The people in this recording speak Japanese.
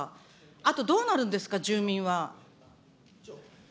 あとどうなるんですか、住民は。